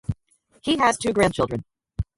He has two grandchildren.